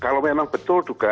kalau memang betul dugaan